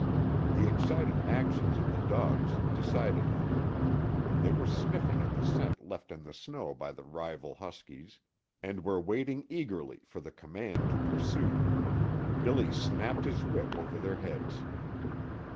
The excited actions of the dogs decided him. They were sniffing at the scent left in the snow by the rival huskies, and were waiting eagerly for the command to pursue. Billy snapped his whip over their heads.